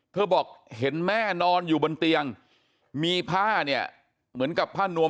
บอกเห็นแม่นอนอยู่บนเตียงมีผ้าเนี่ยเหมือนกับผ้านวม